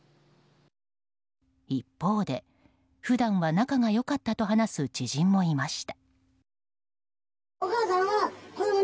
一方で、普段は仲が良かったと話す知人もいました。